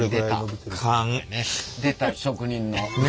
出た職人の。